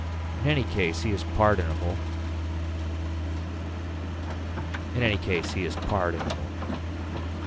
In any case he is pardonable. In any case he is pardonable.